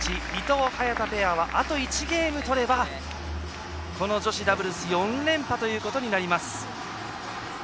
伊藤、早田ペアはあと１ゲームとればこの女子ダブルス４連覇ということになります。